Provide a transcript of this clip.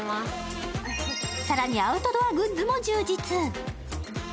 更にアウトドアグッズも充実。